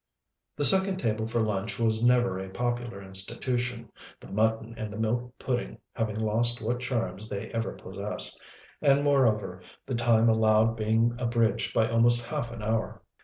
The second table for lunch was never a popular institution, the mutton and the milk pudding having lost what charms they ever possessed, and, moreover, the time allowed being abridged by almost half an hour.